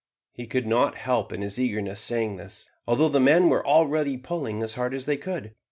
He could not help in his eagerness saying this, although the men were already pulling as hard as they could.